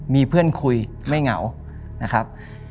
มีเพื่อนคุยไม่เหงานะครับ